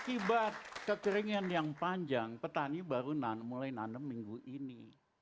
akibat kekeringan yang panjang petani baru mulai nanem minggu ini